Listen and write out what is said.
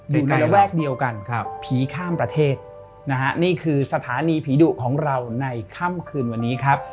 อยู่ในระแวกเดียวกันผีข้ามประเทศนะฮะนี่คือสถานีผีดุของเราในค่ำคืนวันนี้ครับ